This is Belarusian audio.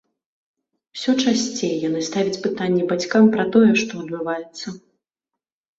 Усё часцей яны ставяць пытанні бацькам пра тое, што адбываецца.